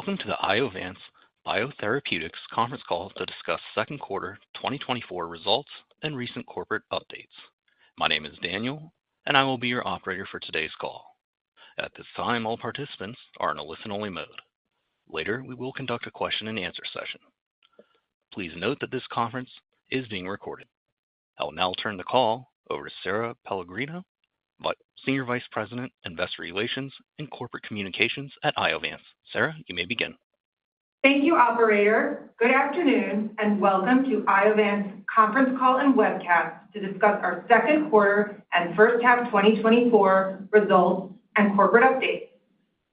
Welcome to the Iovance Biotherapeutics conference call to discuss second quarter 2024 results and recent corporate updates. My name is Daniel, and I will be your operator for today's call. At this time, all participants are in a listen-only mode. Later, we will conduct a question-and-answer session. Please note that this conference is being recorded. I will now turn the call over to Sara Pellegrino, Senior Vice President, Investor Relations, and Corporate Communications at Iovance. Sara, you may begin. Thank you, operator. Good afternoon, and welcome to Iovance conference call and webcast to discuss our second quarter and first half 2024 results and corporate updates.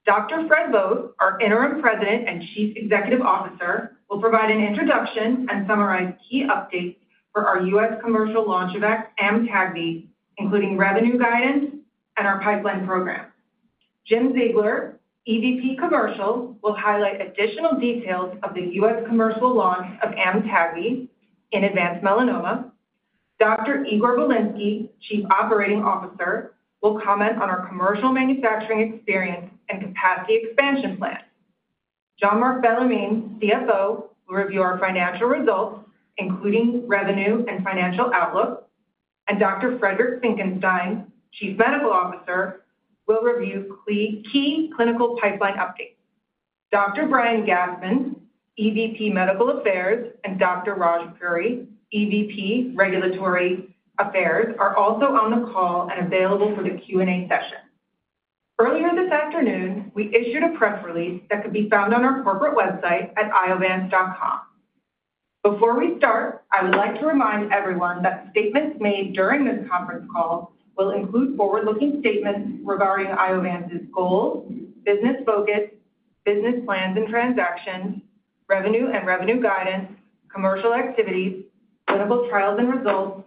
Dr. Fred Vogt, our Interim President and Chief Executive Officer, will provide an introduction and summarize key updates for our U.S. commercial launch of Amtagvi, including revenue guidance and our pipeline program. Jim Ziegler, EVP Commercial, will highlight additional details of the U.S. commercial launch of Amtagvi in advanced melanoma. Dr. Igor Bilinsky, Chief Operating Officer, will comment on our commercial manufacturing experience and capacity expansion plans. Jean-Marc Bellemin, CFO, will review our financial results, including revenue and financial outlook, and Dr. Friedrich Finckenstein, Chief Medical Officer, will review key clinical pipeline updates. Dr. Brian Gastman, EVP Medical Affairs, and Dr. Raj Puri, EVP Regulatory Affairs, are also on the call and available for the Q&A session. Earlier this afternoon, we issued a press release that could be found on our corporate website at iovance.com. Before we start, I would like to remind everyone that statements made during this conference call will include forward-looking statements regarding Iovance's goals, business focus, business plans and transactions, revenue and revenue guidance, commercial activities, clinical trials and results,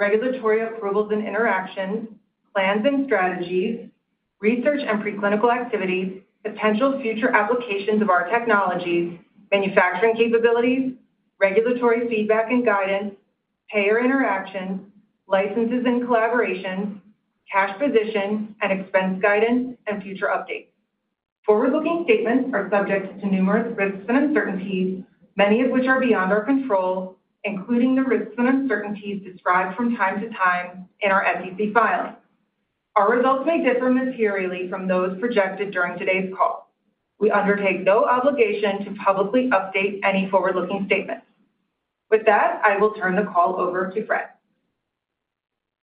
regulatory approvals and interactions, plans and strategies, research and preclinical activities, potential future applications of our technologies, manufacturing capabilities, regulatory feedback and guidance, payer interactions, licenses and collaborations, cash position and expense guidance, and future updates. Forward-looking statements are subject to numerous risks and uncertainties, many of which are beyond our control, including the risks and uncertainties described from time to time in our SEC filing. Our results may differ materially from those projected during today's call. We undertake no obligation to publicly update any forward-looking statements. With that, I will turn the call over to Fred.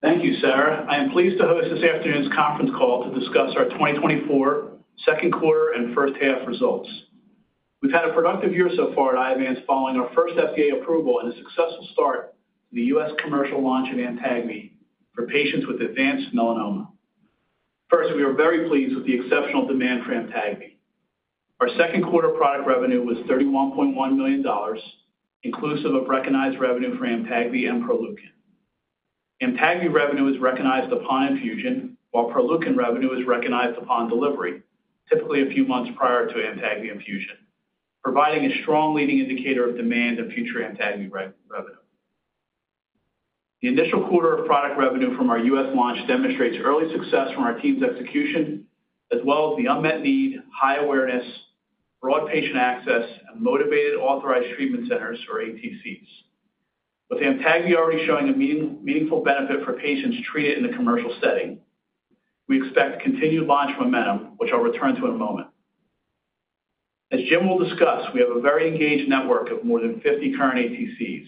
Thank you, Sara. I am pleased to host this afternoon's conference call to discuss our 2024 second quarter and first half results. We've had a productive year so far at Iovance following our first FDA approval and a successful start in the U.S. commercial launch of Amtagvi for patients with advanced melanoma. First, we are very pleased with the exceptional demand for Amtagvi. Our second quarter product revenue was $31.1 million, inclusive of recognized revenue for Amtagvi and Proleukin. Amtagvi revenue is recognized upon infusion, while Proleukin revenue is recognized upon delivery, typically a few months prior to Amtagvi infusion, providing a strong leading indicator of demand and future Amtagvi revenue. The initial quarter of product revenue from our U.S. launch demonstrates early success from our team's execution, as well as the unmet need, high awareness, broad patient access, and motivated Authorized Treatment Centers or ATCs. With Amtagvi already showing a meaningful benefit for patients treated in the commercial setting, we expect continued launch momentum, which I'll return to in a moment. As Jim will discuss, we have a very engaged network of more than 50 current ATCs.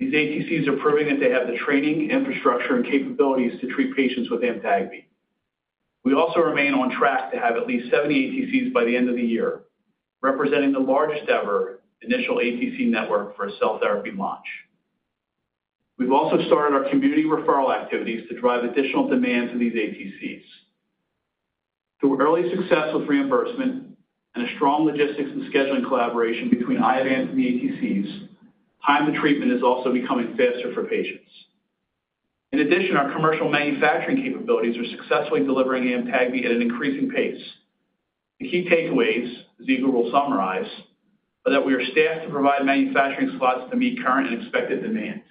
These ATCs are proving that they have the training, infrastructure, and capabilities to treat patients with Amtagvi. We also remain on track to have at least 70 ATCs by the end of the year, representing the largest-ever initial ATC network for a cell therapy launch. We've also started our community referral activities to drive additional demand to these ATCs. Through early success with reimbursement and a strong logistics and scheduling collaboration between Iovance and the ATCs, time to treatment is also becoming faster for patients. In addition, our commercial manufacturing capabilities are successfully delivering Amtagvi at an increasing pace. The key takeaways, as Igor will summarize, are that we are staffed to provide manufacturing slots to meet current and expected demands.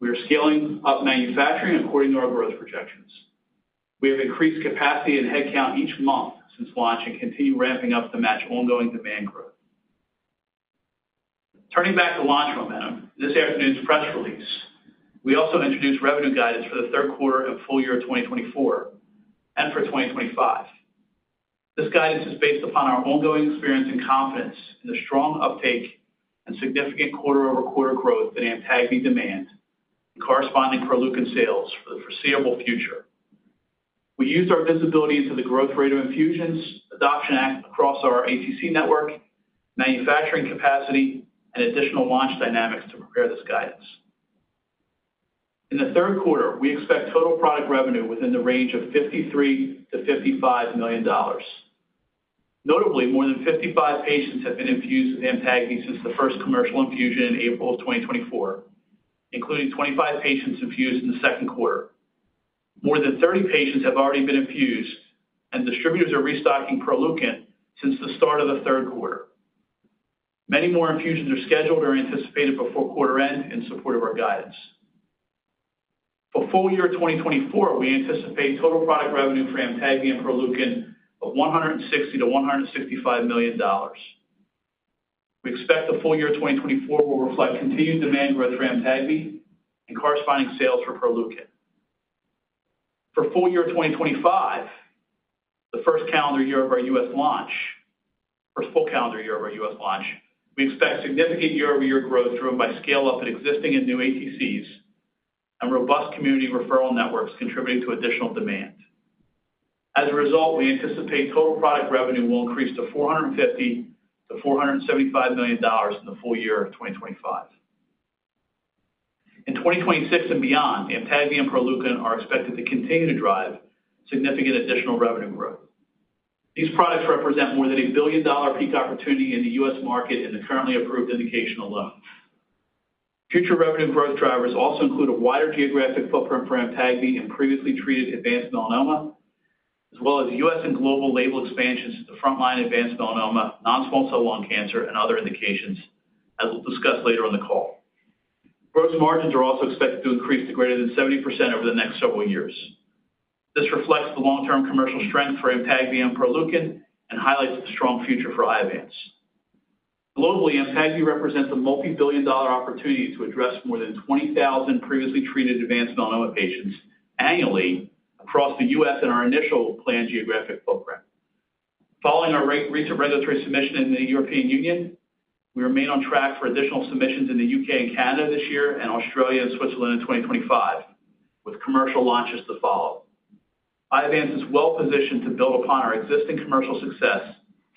We are scaling up manufacturing according to our growth projections. We have increased capacity and headcount each month since launch and continue ramping up to match ongoing demand growth. Turning back to launch momentum, this afternoon's press release. We also introduced revenue guidance for the third quarter and full year of 2024 and for 2025. This guidance is based upon our ongoing experience and confidence in the strong uptake and significant quarter-over-quarter growth in Amtagvi demand and corresponding Proleukin sales for the foreseeable future. We used our visibility into the growth rate of infusions, adoption across our ATC network, manufacturing capacity, and additional launch dynamics to prepare this guidance. In the third quarter, we expect total product revenue within the range of $53 million-$55 million. Notably, more than 55 patients have been infused with Amtagvi since the first commercial infusion in April 2024, including 25 patients infused in the second quarter. More than 30 patients have already been infused, and distributors are restocking Proleukin since the start of the third quarter. Many more infusions are scheduled or anticipated before quarter end in support of our guidance. For full year 2024, we anticipate total product revenue for Amtagvi and Proleukin of $160 million-$165 million. We expect the full year 2024 will reflect continued demand growth for Amtagvi and corresponding sales for Proleukin. For full year 2025, the first calendar year of our U.S. launch, or full calendar year of our U.S. launch, we expect significant year-over-year growth driven by scale up in existing and new ATCs and robust community referral networks contributing to additional demand. As a result, we anticipate total product revenue will increase to $450 million-$475 million in the full year of 2025. In 2026 and beyond, Amtagvi and Proleukin are expected to continue to drive significant additional revenue growth. These products represent more than a billion-dollar peak opportunity in the U.S. market in the currently approved indication alone. Future revenue growth drivers also include a wider geographic footprint for Amtagvi in previously treated advanced melanoma, as well as U.S. and global label expansions to the frontline advanced melanoma, non-small cell lung cancer, and other indications, as we'll discuss later on the call. Gross margins are also expected to increase to greater than 70% over the next several years. This reflects the long-term commercial strength for Amtagvi and Proleukin and highlights the strong future for Iovance. Globally, Amtagvi represents a multibillion-dollar opportunity to address more than 20,000 previously treated advanced melanoma patients annually across the U.S. and our initial planned geographic footprint. Following our recent regulatory submission in the European Union, we remain on track for additional submissions in the U.K. and Canada this year, and Australia and Switzerland in 2025, with commercial launches to follow. Iovance is well positioned to build upon our existing commercial success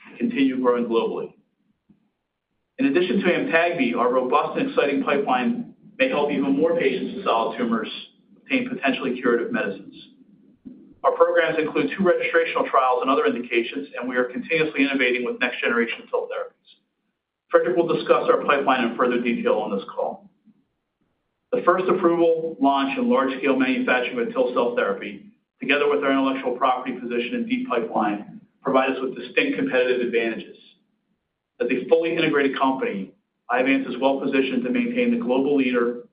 and continue growing globally. In addition to Amtagvi, our robust and exciting pipeline may help even more patients with solid tumors obtain potentially curative medicines. Our programs include two registrational trials and other indications, and we are continuously innovating with next-generation cell therapies. Friedrich will discuss our pipeline in further detail on this call. The first approval, launch, and large-scale manufacturing of TIL cell therapy, together with our intellectual property position and deep pipeline, provide us with distinct competitive advantages. As a fully integrated company, Iovance is well positioned to maintain the global leader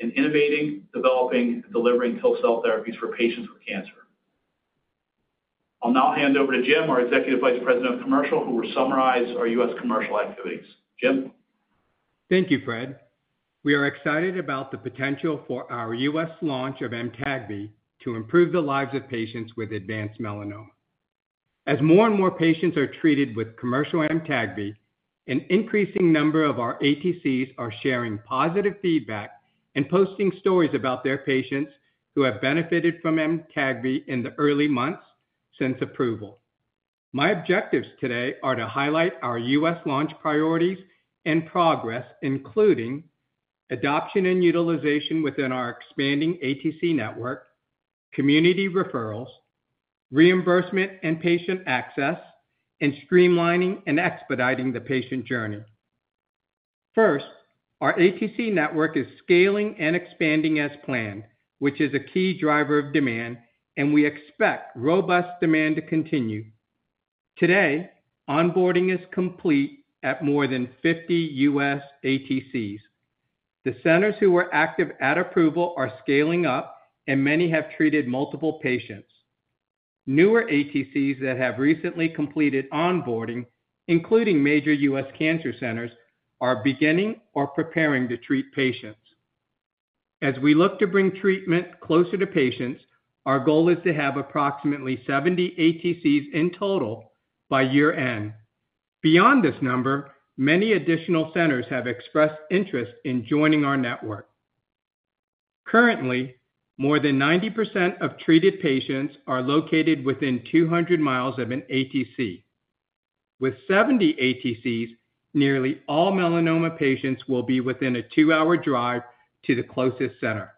in innovating, developing, and delivering TIL cell therapies for patients with cancer. I'll now hand over to Jim, our Executive Vice President, Commercial, who will summarize our U.S. commercial activities. Jim? Thank you, Fred. We are excited about the potential for our U.S. launch of Amtagvi to improve the lives of patients with advanced melanoma. As more and more patients are treated with commercial Amtagvi, an increasing number of our ATCs are sharing positive feedback and posting stories about their patients who have benefited from Amtagvi in the early months since approval. My objectives today are to highlight our U.S. launch priorities and progress, including adoption and utilization within our expanding ATC network, community referrals, reimbursement and patient access, and streamlining and expediting the patient journey. First, our ATC network is scaling and expanding as planned, which is a key driver of demand, and we expect robust demand to continue. Today, onboarding is complete at more than 50 U.S. ATCs. The centers who were active at approval are scaling up, and many have treated multiple patients. Newer ATCs that have recently completed onboarding, including major U.S. cancer centers, are beginning or preparing to treat patients. As we look to bring treatment closer to patients, our goal is to have approximately 70 ATCs in total by year-end. Beyond this number, many additional centers have expressed interest in joining our network. Currently, more than 90% of treated patients are located within 200 miles of an ATC. With 70 ATCs, nearly all melanoma patients will be within a 2-hour drive to the closest center.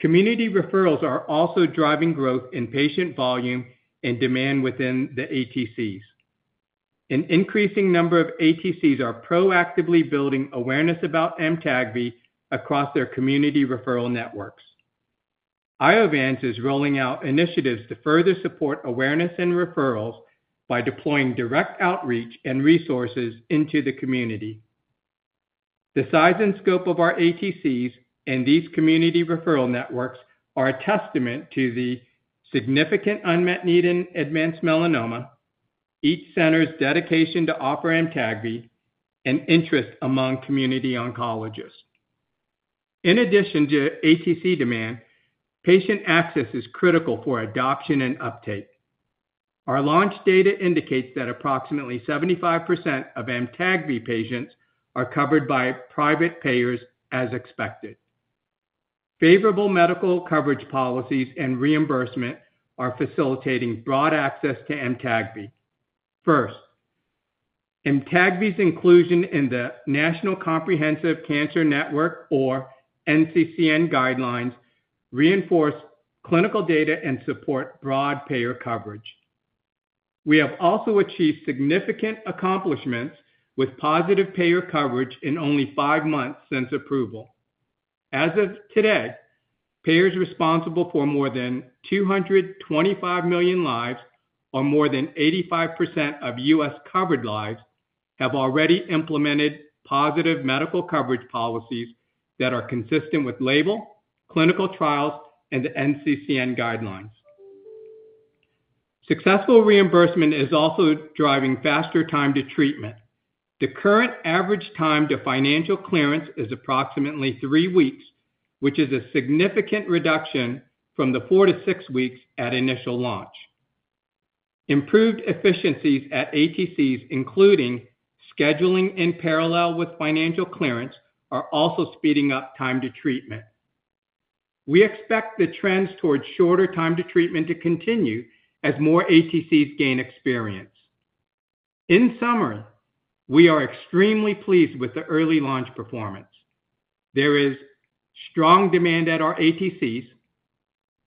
Community referrals are also driving growth in patient volume and demand within the ATCs. An increasing number of ATCs are proactively building awareness about Amtagvi across their community referral networks. Iovance is rolling out initiatives to further support awareness and referrals by deploying direct outreach and resources into the community. The size and scope of our ATCs and these community referral networks are a testament to the significant unmet need in advanced melanoma, each center's dedication to offer Amtagvi, and interest among community oncologists. In addition to ATC demand, patient access is critical for adoption and uptake. Our launch data indicates that approximately 75% of Amtagvi patients are covered by private payers, as expected. Favorable medical coverage policies and reimbursement are facilitating broad access to Amtagvi. First, Amtagvi's inclusion in the National Comprehensive Cancer Network, or NCCN, guidelines reinforce clinical data and support broad payer coverage. We have also achieved significant accomplishments with positive payer coverage in only five months since approval. As of today, payers responsible for more than 225 million lives, or more than 85% of U.S. covered lives have already implemented positive medical coverage policies that are consistent with label, clinical trials, and NCCN guidelines. Successful reimbursement is also driving faster time to treatment. The current average time to financial clearance is approximately three weeks, which is a significant reduction from the four to six weeks at initial launch. Improved efficiencies at ATCs, including scheduling in parallel with financial clearance, are also speeding up time to treatment. We expect the trends towards shorter time to treatment to continue as more ATCs gain experience. In summary, we are extremely pleased with the early launch performance. There is strong demand at our ATCs,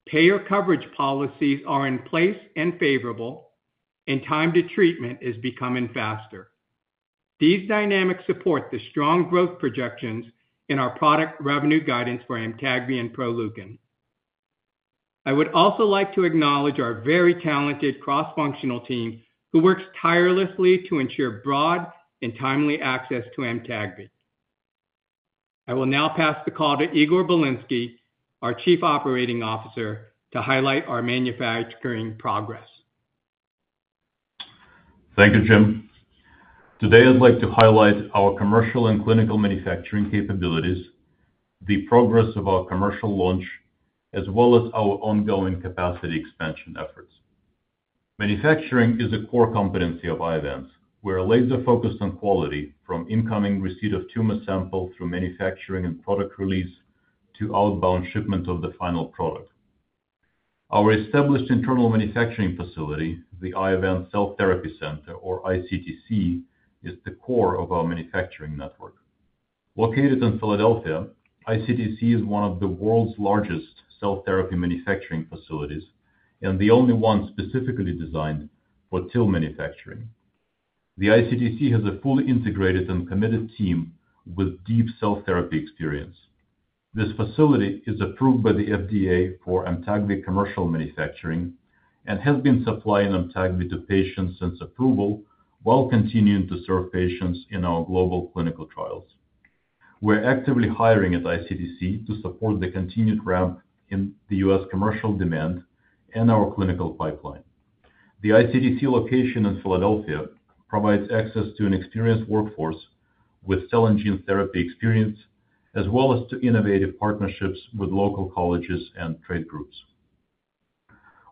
payer coverage policies are in place and favorable, and time to treatment is becoming faster. These dynamics support the strong growth projections in our product revenue guidance for Amtagvi and Proleukin. I would also like to acknowledge our very talented cross-functional team, who works tirelessly to ensure broad and timely access to Amtagvi. I will now pass the call to Igor Bilinsky, our Chief Operating Officer, to highlight our manufacturing progress. Thank you, Jim. Today, I'd like to highlight our commercial and clinical manufacturing capabilities, the progress of our commercial launch, as well as our ongoing capacity expansion efforts. Manufacturing is a core competency of Iovance. We're laser-focused on quality, from incoming receipt of tumor samples, through manufacturing and product release, to outbound shipment of the final product. Our established internal manufacturing facility, the Iovance Cell Therapy Center or iCTC, is the core of our manufacturing network. Located in Philadelphia, iCTC is one of the world's largest cell therapy manufacturing facilities and the only one specifically designed for TIL manufacturing. The iCTC has a fully integrated and committed team with deep cell therapy experience. This facility is approved by the FDA for Amtagvi commercial manufacturing and has been supplying Amtagvi to patients since approval, while continuing to serve patients in our global clinical trials. We're actively hiring at iCTC to support the continued ramp in the U.S. commercial demand and our clinical pipeline. The iCTC location in Philadelphia provides access to an experienced workforce with cell and gene therapy experience, as well as to innovative partnerships with local colleges and trade groups.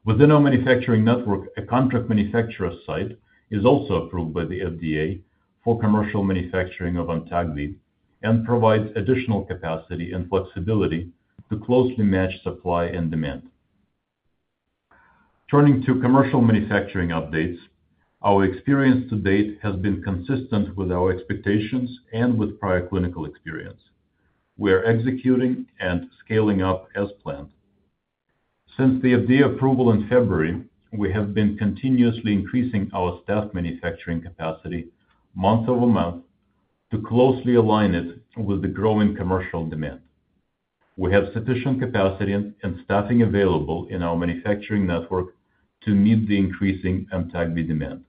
Within our manufacturing network, a contract manufacturer site is also approved by the FDA for commercial manufacturing of Amtagvi and provides additional capacity and flexibility to closely match supply and demand. Turning to commercial manufacturing updates, our experience to date has been consistent with our expectations and with prior clinical experience. We are executing and scaling up as planned. Since the FDA approval in February, we have been continuously increasing our staff manufacturing capacity month-over-month to closely align it with the growing commercial demand. We have sufficient capacity and staffing available in our manufacturing network to meet the increasing Amtagvi demand.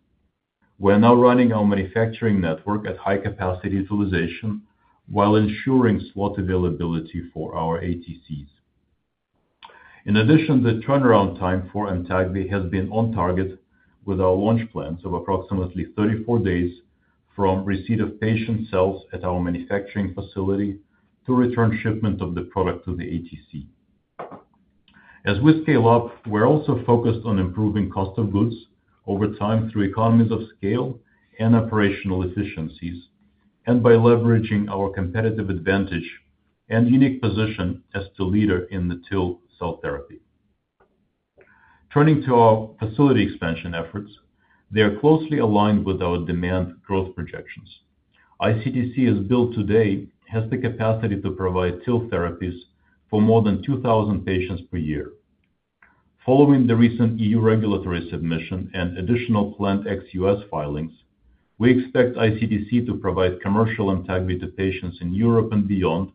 We're now running our manufacturing network at high capacity utilization, while ensuring slot availability for our ATCs. In addition, the turnaround time for Amtagvi has been on target with our launch plans of approximately 34 days from receipt of patient cells at our manufacturing facility to return shipment of the product to the ATC. As we scale up, we're also focused on improving cost of goods over time through economies of scale and operational efficiencies, and by leveraging our competitive advantage and unique position as the leader in the TIL cell therapy. Turning to our facility expansion efforts, they are closely aligned with our demand growth projections, iCTC, as built today, has the capacity to provide TIL therapies for more than 2,000 patients per year. Following the recent EU regulatory submission and additional planned ex-US filings, we expect iCTC to provide commercial Amtagvi to patients in Europe and beyond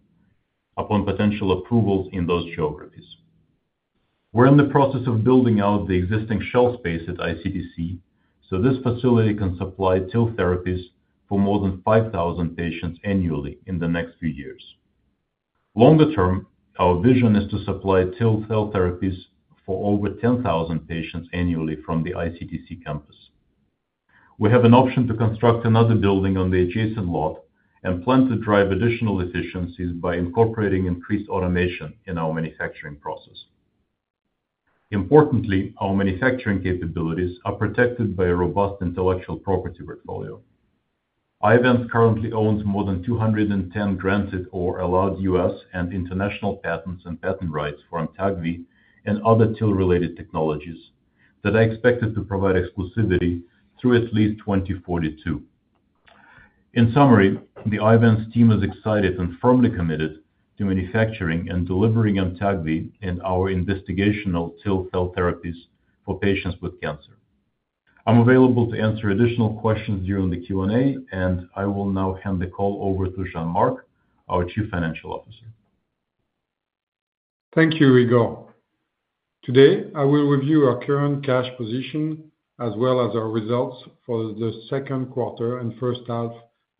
upon potential approvals in those geographies. We're in the process of building out the existing shell space at iCTC, so this facility can supply TIL therapies for more than 5,000 patients annually in the next few years. Longer term, our vision is to supply TIL cell therapies for over 10,000 patients annually from the iCTC campus. We have an option to construct another building on the adjacent lot, and plan to drive additional efficiencies by incorporating increased automation in our manufacturing process. Importantly, our manufacturing capabilities are protected by a robust intellectual property portfolio. Iovance currently owns more than 210 granted or allowed US and international patents and patent rights for Amtagvi and other TIL-related technologies, that are expected to provide exclusivity through at least 2042. In summary, the Iovance team is excited and firmly committed to manufacturing and delivering Amtagvi and our investigational TIL cell therapies for patients with cancer. I'm available to answer additional questions during the Q&A, and I will now hand the call over to Jean-Marc, our Chief Financial Officer. Thank you, Igor. Today, I will review our current cash position, as well as our results for the second quarter and first half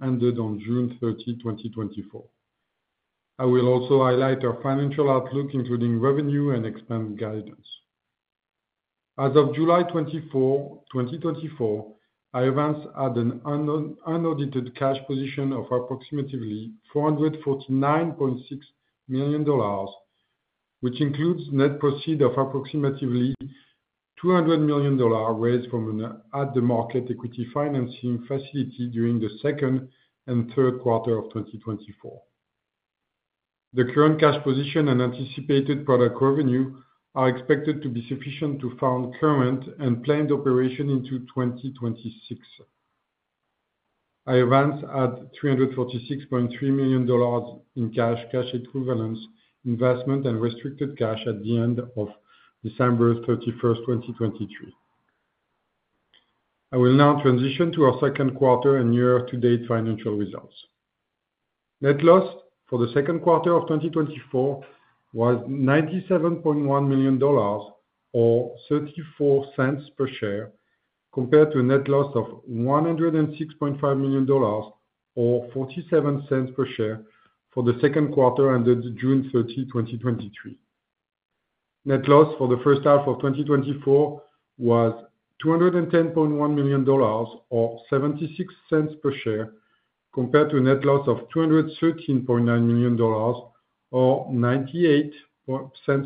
ended on June 30, 2024. I will also highlight our financial outlook, including revenue and expense guidance. As of July 24, 2024, Iovance had an unaudited cash position of approximately $449.6 million, which includes net proceeds of approximately $200 million raised from an at-the-market equity financing facility during the second and third quarters of 2024. The current cash position and anticipated product revenue are expected to be sufficient to fund current and planned operations into 2026. Iovance had $346.3 million in cash, cash equivalents, investments, and restricted cash at the end of December 31, 2023. I will now transition to our second quarter and year-to-date financial results. Net loss for the second quarter of 2024 was $97.1 million, or $0.34 per share, compared to a net loss of $106.5 million, or $0.47 per share, for the second quarter ended June 30, 2023. Net loss for the first half of 2024 was $210.1 million, or $0.76 per share, compared to a net loss of $213.9 million, or $0.98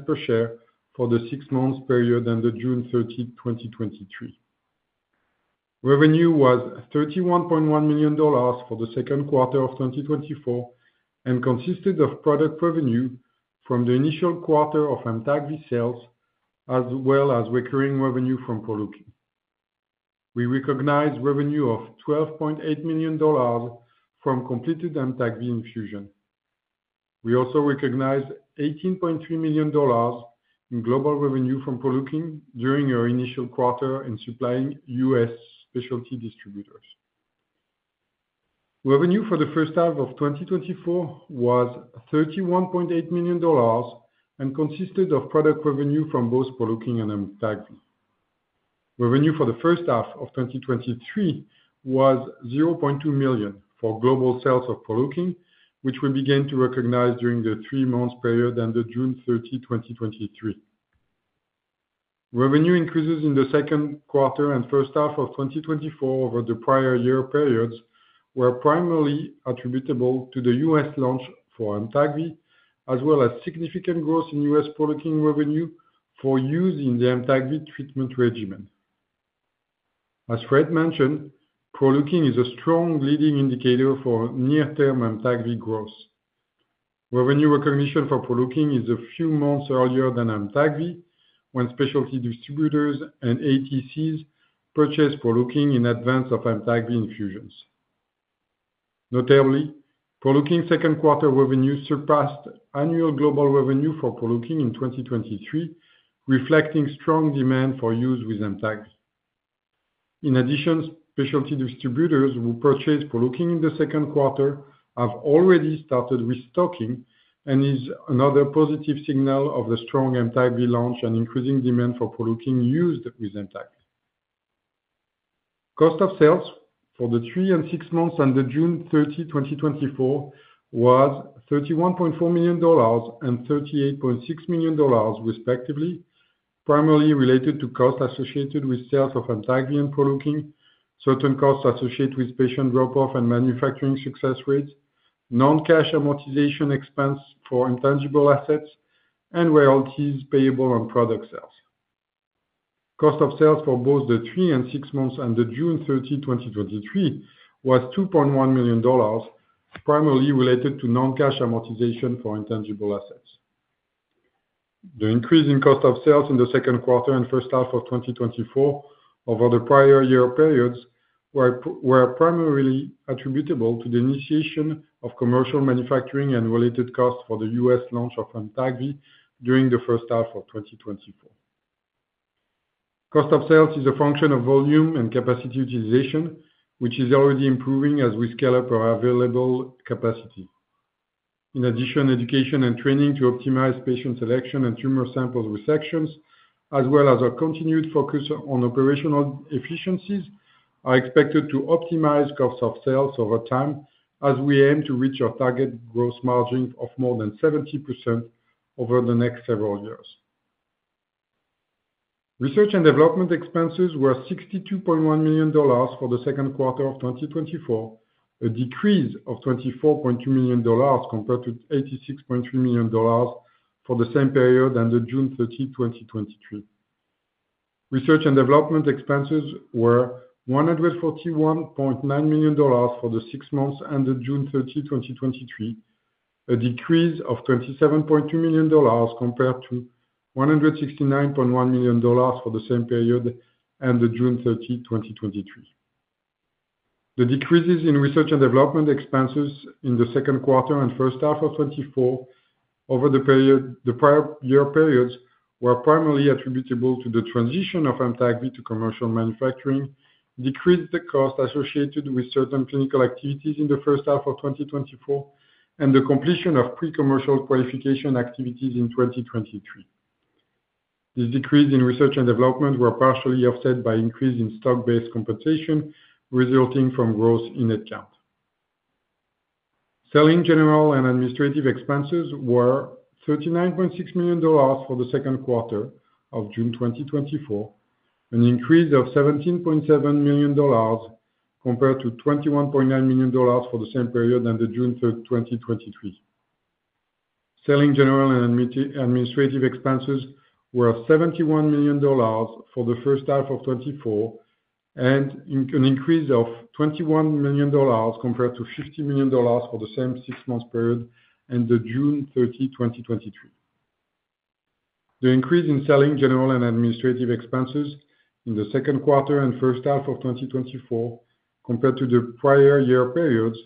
per share, for the six-month period ended June 30, 2023. Revenue was $31.1 million for the second quarter of 2024, and consisted of product revenue from the initial quarter of Amtagvi sales, as well as recurring revenue from Proleukin. We recognized revenue of $12.8 million from completed Amtagvi infusion. We also recognized $18.3 million in global revenue from Proleukin during our initial quarter in supplying U.S. specialty distributors. Revenue for the first half of 2024 was $31.8 million, and consisted of product revenue from both Proleukin and Amtagvi. Revenue for the first half of 2023 was $0.2 million for global sales of Proleukin, which we began to recognize during the three months period ended June 30, 2023. Revenue increases in the second quarter and first half of 2024 over the prior year periods were primarily attributable to the U.S. launch for Amtagvi, as well as significant growth in U.S. Proleukin revenue for use in the Amtagvi treatment regimen. As Fred mentioned, Proleukin is a strong leading indicator for near-term Amtagvi growth. Revenue recognition for Proleukin is a few months earlier than Amtagvi, when specialty distributors and ATCs purchase Proleukin in advance of Amtagvi infusions. Notably, Proleukin second quarter revenue surpassed annual global revenue for Proleukin in 2023, reflecting strong demand for use with Amtagvi. In addition, specialty distributors who purchased Proleukin in the second quarter have already started restocking, and is another positive signal of the strong Amtagvi launch and increasing demand for Proleukin used with Amtagvi. Cost of sales for the three and six months ended June 30, 2024, was $31.4 million and $38.6 million, respectively, primarily related to costs associated with sales of Amtagvi and Proleukin, certain costs associated with patient drop-off and manufacturing success rates, non-cash amortization expense for intangible assets, and royalties payable on product sales. Cost of sales for both the three and six months ended June 30, 2023, was $2.1 million, primarily related to non-cash amortization for intangible assets. The increase in cost of sales in the second quarter and first half of 2024 over the prior year periods were primarily attributable to the initiation of commercial manufacturing and related costs for the U.S. launch of Amtagvi during the first half of 2024. Cost of sales is a function of volume and capacity utilization, which is already improving as we scale up our available capacity. In addition, education and training to optimize patient selection and tumor sample resections, as well as our continued focus on operational efficiencies, are expected to optimize cost of sales over time, as we aim to reach our target gross margin of more than 70% over the next several years. Research and development expenses were $62.1 million for the second quarter of 2024, a decrease of $24.2 million compared to $86.3 million for the same period ended June 30, 2023. Research and development expenses were $141.9 million for the six months ended June 30, 2024, a decrease of $27.2 million compared to $169.1 million for the same period ended June 30, 2023. The decreases in research and development expenses in the second quarter and first half of 2024 over the period, the prior year periods were primarily attributable to the transition of Amtagvi to commercial manufacturing, decreased the cost associated with certain clinical activities in the first half of 2024, and the completion of pre-commercial qualification activities in 2023. This decrease in research and development were partially offset by increase in stock-based compensation, resulting from growth in head count. Selling general and administrative expenses were $39.6 million for the second quarter of June 2024, an increase of $17.7 million compared to $21.9 million for the same period ended June 30, 2023. Selling general and administrative expenses were $71 million for the first half of 2024, an increase of $21 million compared to $50 million for the same six-month period ended June 30, 2023. The increase in selling, general, and administrative expenses in the second quarter and first half of 2024, compared to the prior year periods,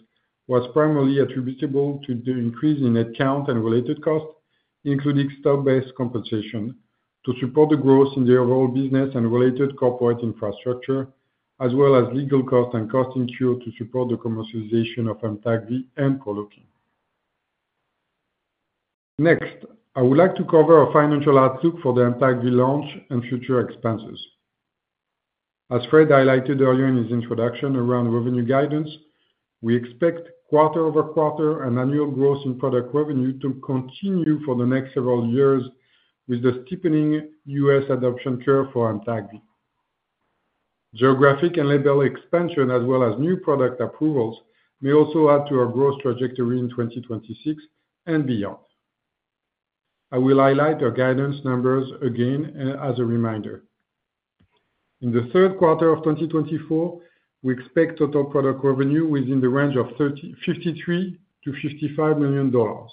was primarily attributable to the increase in head count and related costs, including stock-based compensation, to support the growth in the overall business and related corporate infrastructure, as well as legal costs and costs incurred to support the commercialization of Amtagvi and Proleukin. Next, I would like to cover our financial outlook for the Amtagvi launch and future expenses. As Fred highlighted earlier in his introduction around revenue guidance, we expect quarter-over-quarter and annual growth in product revenue to continue for the next several years with the steepening U.S. adoption curve for Amtagvi. Geographic and label expansion, as well as new product approvals, may also add to our growth trajectory in 2026 and beyond. I will highlight our guidance numbers again, as a reminder. In the third quarter of 2024, we expect total product revenue within the range of $33 million-$35 million.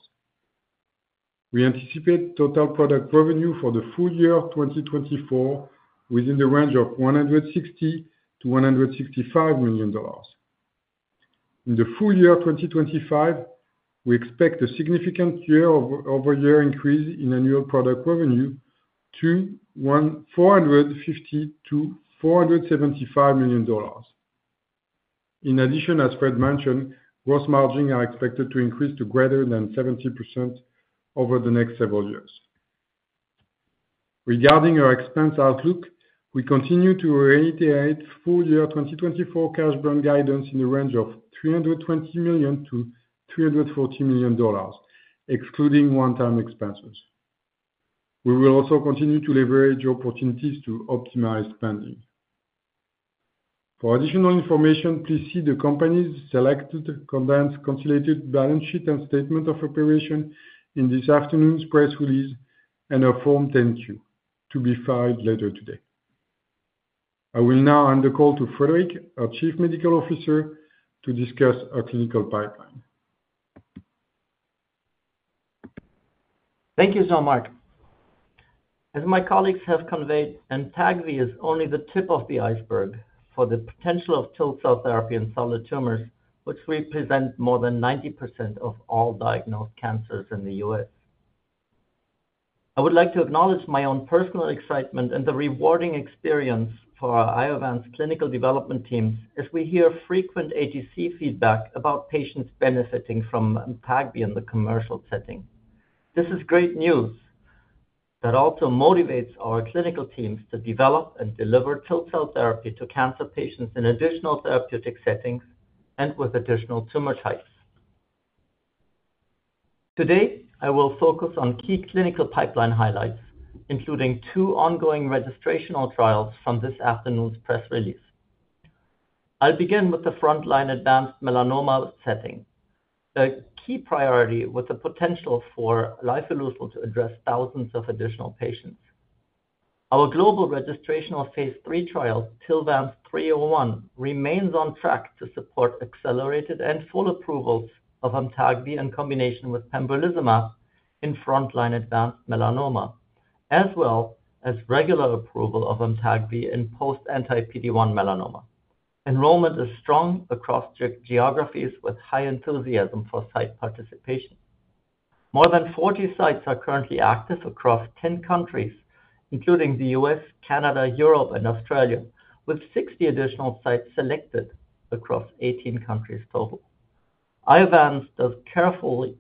We anticipate total product revenue for the full year of 2024 within the range of $160 million-$165 million. In the full year of 2025, we expect a significant year-over-year increase in annual product revenue to $450 million-$475 million. In addition, as Fred mentioned, gross margin are expected to increase to greater than 70% over the next several years. Regarding our expense outlook, we continue to reiterate full year 2024 cash burn guidance in the range of $320 million-$340 million, excluding one-time expenses. We will also continue to leverage opportunities to optimize spending. For additional information, please see the company's selected combined consolidated balance sheet and statements of operations in this afternoon's press release and our Form 10-Q to be filed later today. I will now hand the call to Friedrich, our Chief Medical Officer, to discuss our clinical pipeline. Thank you, Jean-Marc. As my colleagues have conveyed, Amtagvi is only the tip of the iceberg for the potential of TIL cell therapy in solid tumors, which represent more than 90% of all diagnosed cancers in the U.S. I would like to acknowledge my own personal excitement and the rewarding experience for our Iovance clinical development team, as we hear frequent ATC feedback about patients benefiting from Amtagvi in the commercial setting. This is great news that also motivates our clinical teams to develop and deliver TIL cell therapy to cancer patients in additional therapeutic settings and with additional tumor types. Today, I will focus on key clinical pipeline highlights, including two ongoing registrational trials from this afternoon's press release. I'll begin with the frontline advanced melanoma setting. The key priority with the potential for lifileucel to address thousands of additional patients. Our global registrational phase III trial, TILVANCE-301, remains on track to support accelerated and full approvals of Amtagvi in combination with pembrolizumab in frontline advanced melanoma, as well as regular approval of Amtagvi in post-anti-PD-1 melanoma. Enrollment is strong across geographies with high enthusiasm for site participation. More than 40 sites are currently active across 10 countries, including the U.S., Canada, Europe, and Australia, with 60 additional sites selected across 18 countries total. Iovance does careful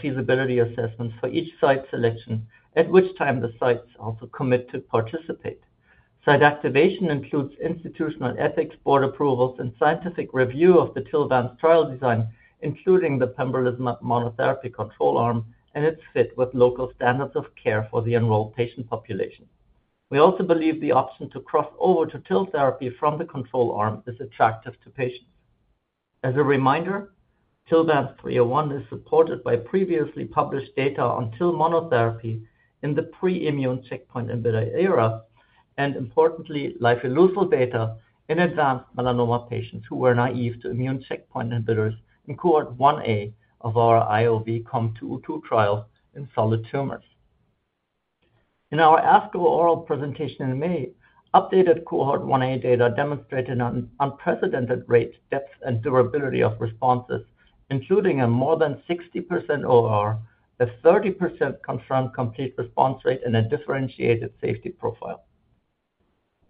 feasibility assessments for each site selection, at which time the sites also commit to participate. Site activation includes institutional ethics board approvals, and scientific review of the TILVANCE trial design, including the pembrolizumab monotherapy control arm and its fit with local standards of care for the enrolled patient population. We also believe the option to cross over to TIL therapy from the control arm is attractive to patients. As a reminder, TILVANCE-301 is supported by previously published data on TIL monotherapy in the pre-immune checkpoint inhibitor era, and importantly, lifileucel data in advanced melanoma patients who were naive to immune checkpoint inhibitors in cohort 1A of our IOV-COM-202 trial in solid tumors. In our ASCO oral presentation in May, updated cohort 1A data demonstrated an unprecedented rate, depth, and durability of responses, including a more than 60% ORR, a 30% confirmed complete response rate, and a differentiated safety profile.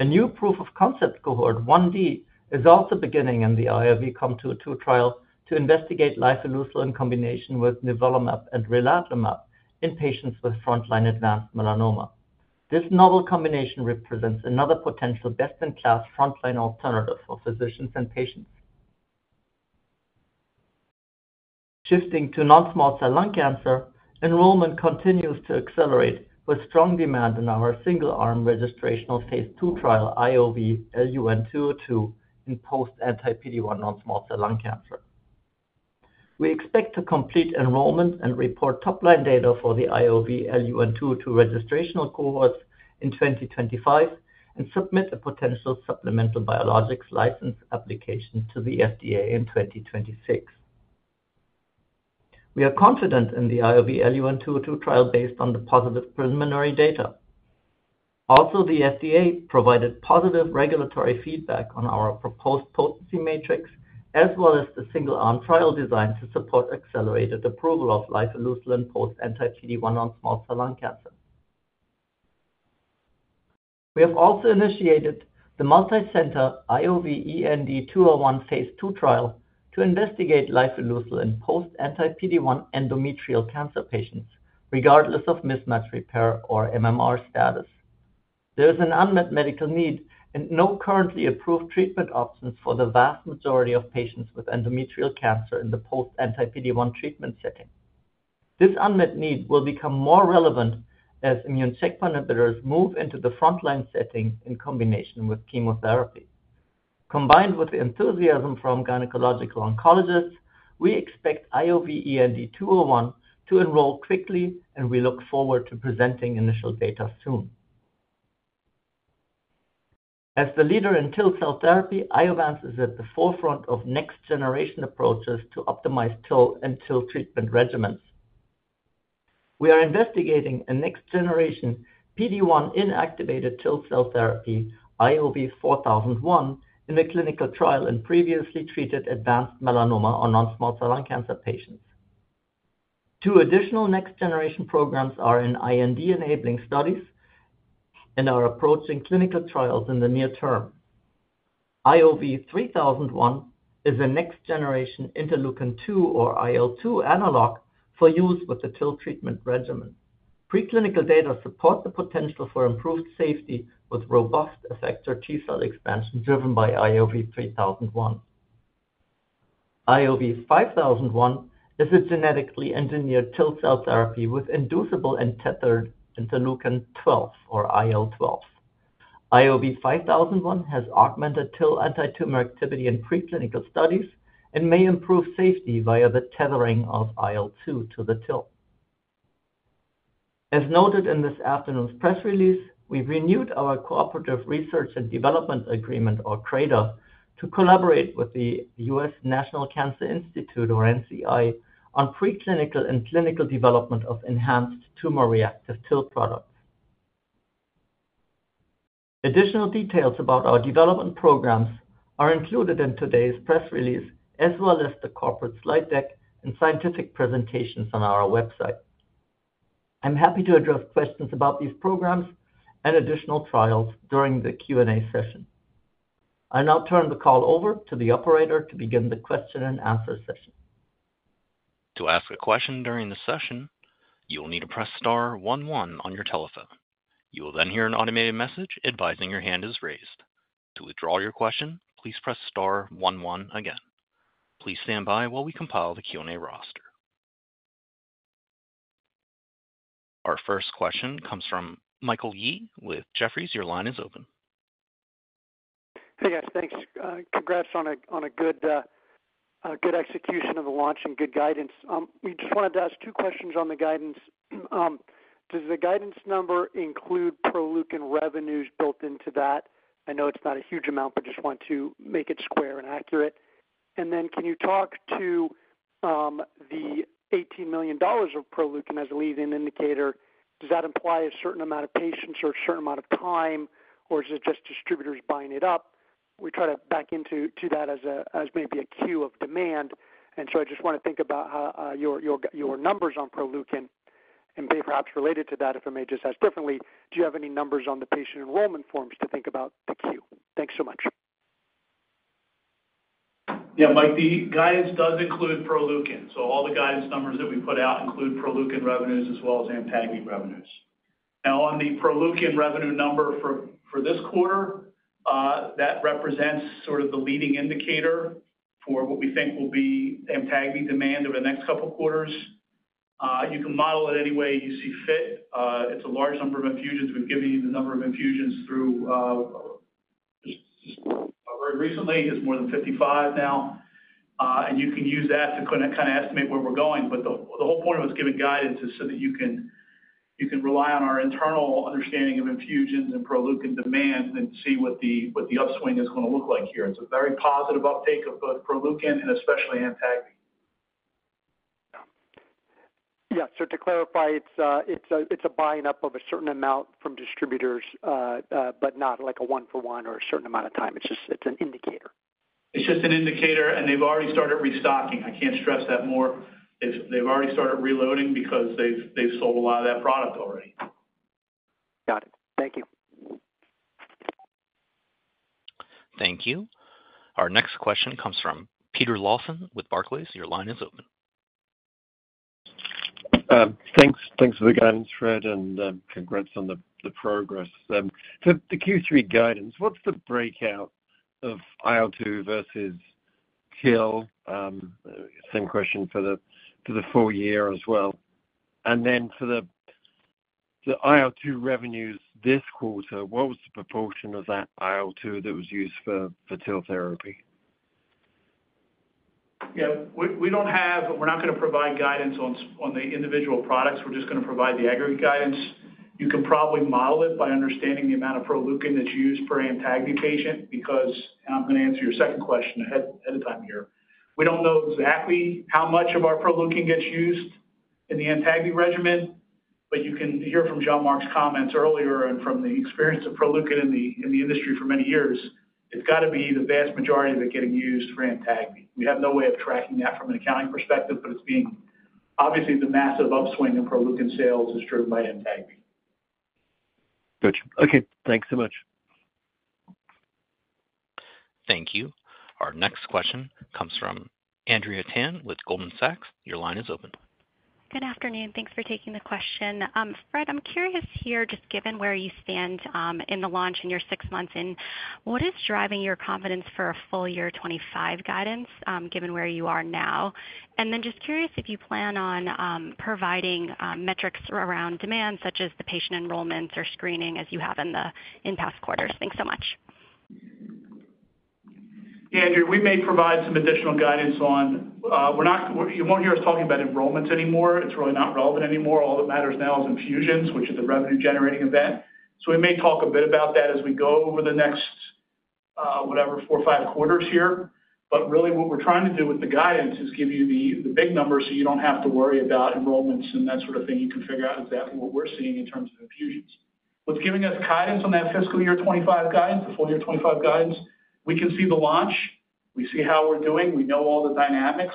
A new proof of concept cohort, 1D, is also beginning in the IOV-COM-202 trial to investigate lifileucel in combination with nivolumab and relatimab in patients with frontline advanced melanoma. This novel combination represents another potential best-in-class frontline alternative for physicians and patients. Shifting to non-small cell lung cancer, enrollment continues to accelerate, with strong demand in our single-arm registrational phase II trial, IOV-LUN-202, in post-anti-PD-1 non-small cell lung cancer. We expect to complete enrollment and report top-line data for the IOV-LUN-202 registrational cohorts in 2025, and submit a potential supplemental biologics license application to the FDA in 2026. We are confident in the IOV-LUN-202 trial based on the positive preliminary data. Also, the FDA provided positive regulatory feedback on our proposed potency matrix, as well as the single-arm trial design to support accelerated approval of lifileucel in post-anti-PD-1 non-small cell lung cancer. We have also initiated the multi-center IOV-END-201 phase II trial to investigate lifileucel in post-anti-PD-1 endometrial cancer patients, regardless of mismatch repair or MMR status. There is an unmet medical need and no currently approved treatment options for the vast majority of patients with endometrial cancer in the post-anti-PD-1 treatment setting. This unmet need will become more relevant as immune checkpoint inhibitors move into the frontline setting in combination with chemotherapy. Combined with the enthusiasm from gynecological oncologists, we expect IOV-END-201 to enroll quickly, and we look forward to presenting initial data soon. As the leader in TIL cell therapy, Iovance is at the forefront of next-generation approaches to optimize TIL and TIL treatment regimens. We are investigating a next-generation PD-1 inactivated TIL cell therapy, IOV-4001, in the clinical trial in previously treated advanced melanoma or non-small cell lung cancer patients. Two additional next-generation programs are in IND-enabling studies and are approaching clinical trials in the near term. IOV-3001 is a next generation interleukin-2, or IL-2, analog for use with the TIL treatment regimen. Preclinical data support the potential for improved safety with robust effector T cell expansion, driven by IOV-3001. IOV-5001 is a genetically engineered TIL cell therapy with inducible and tethered interleukin-12, or IL-12. IOV-5001 has augmented TIL antitumor activity in preclinical studies and may improve safety via the tethering of IL-2 to the TIL. As noted in this afternoon's press release, we've renewed our Cooperative Research and Development Agreement, or CRADA, to collaborate with the U.S. National Cancer Institute, or NCI, on preclinical and clinical development of enhanced tumor-reactive TIL products. Additional details about our development programs are included in today's press release, as well as the corporate slide deck and scientific presentations on our website. I'm happy to address questions about these programs and additional trials during the Q&A session. I now turn the call over to the operator to begin the question and answer session. To ask a question during the session, you will need to press star one, one on your telephone. You will then hear an automated message advising your hand is raised. To withdraw your question, please press star one, one again. Please stand by while we compile the Q&A roster. Our first question comes from Michael Yee with Jefferies. Your line is open. Hey, guys, thanks. Congrats on a good execution of the launch and good guidance. We just wanted to ask two questions on the guidance. Does the guidance number include Proleukin revenues built into that? I know it's not a huge amount, but just want to make it square and accurate. And then can you talk to the $18 million of Proleukin as a lead-in indicator? Does that imply a certain amount of patients or a certain amount of time, or is it just distributors buying it up? We try to back into that as a cue of demand, and so I just want to think about how your numbers on Proleukin. Perhaps related to that, if I may just ask differently, do you have any numbers on the patient enrollment forms to think about the queue? Thanks so much. Yeah, Mike, the guidance does include Proleukin, so all the guidance numbers that we put out include Proleukin revenues as well as Amtagvi revenues. Now, on the Proleukin revenue number for this quarter, that represents sort of the leading indicator for what we think will be Amtagvi demand over the next couple of quarters. You can model it any way you see fit. It's a large number of infusions. We've given you the number of infusions through just very recently. It's more than 55 now, and you can use that to kind of estimate where we're going. But the whole point of us giving guidance is so that you can rely on our internal understanding of infusions and Proleukin demand and see what the upswing is going to look like here. It's a very positive uptake of both Proleukin and especially Amtagvi. Yeah. So to clarify, it's a buying up of a certain amount from distributors, but not like a one for one or a certain amount of time. It's just an indicator? It's just an indicator, and they've already started restocking. I can't stress that more. They've already started reloading because they've sold a lot of that product already. Got it. Thank you. Thank you. Our next question comes from Peter Lawson with Barclays. Your line is open. Thanks. Thanks for the guidance, Fred, and congrats on the progress. So the Q3 guidance, what's the breakout of IL-2 versus TIL? Same question for the full year as well. And then for the IL-2 revenues this quarter, what was the proportion of that IL-2 that was used for TIL therapy? Yeah, we don't have. We're not gonna provide guidance on the individual products. We're just gonna provide the aggregate guidance. You can probably model it by understanding the amount of Proleukin that's used per Amtagvi patient, because, and I'm gonna answer your second question ahead of time here. We don't know exactly how much of our Proleukin gets used in the Amtagvi regimen, but you can hear from Jean-Marc's comments earlier and from the experience of Proleukin in the industry for many years, it's got to be the vast majority of it getting used for Amtagvi. We have no way of tracking that from an accounting perspective, but it's being obviously, the massive upswing in Proleukin sales is driven by Amtagvi. Gotcha. Okay, thanks so much. Thank you. Our next question comes from Andrea Tan with Goldman Sachs. Your line is open. Good afternoon. Thanks for taking the question. Fred, I'm curious here, just given where you stand in the launch in your six months in, what is driving your confidence for a full year 2025 guidance, given where you are now? And then just curious if you plan on providing metrics around demand, such as the patient enrollments or screening as you have in past quarters. Thanks so much. Yeah, Andrea, we may provide some additional guidance on. We're not. You won't hear us talking about enrollments anymore. It's really not relevant anymore. All that matters now is infusions, which is a revenue-generating event. So we may talk a bit about that as we go over the next, whatever, 4 or 5 quarters here. But really, what we're trying to do with the guidance is give you the, the big numbers so you don't have to worry about enrollments and that sort of thing. You can figure out exactly what we're seeing in terms of infusions. What's giving us guidance on that fiscal year 2025 guidance, the full year 2025 guidance, we can see the launch. We see how we're doing. We know all the dynamics.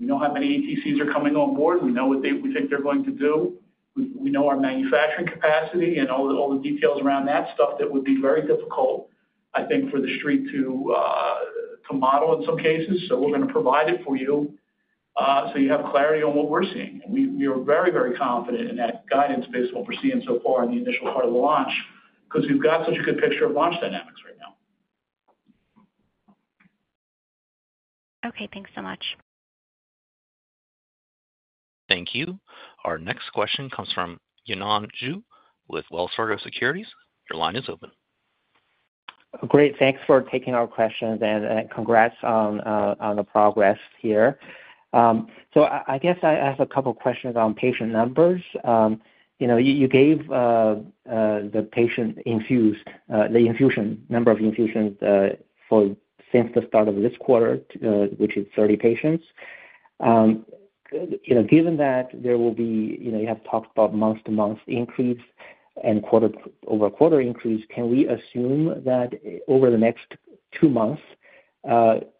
We know how many ATCs are coming on board. We know what they, we think they're going to do. We know our manufacturing capacity and all the details around that stuff that would be very difficult, I think, for The Street to model in some cases. So we're gonna provide it for you so you have clarity on what we're seeing. And we are very, very confident in that guidance based on what we're seeing so far in the initial part of the launch, because we've got such a good picture of launch dynamics right now. Okay, thanks so much. Thank you. Our next question comes from Yanan Zhu with Wells Fargo Securities. Your line is open. Great. Thanks for taking our questions, and congrats on the progress here. So I guess I ask a couple of questions on patient numbers. You know, you gave the patient infused the infusion number of infusions for since the start of this quarter, which is 30 patients. You know, given that there will be, you know, you have talked about month-to-month increase and quarter-over-quarter increase, can we assume that over the next two months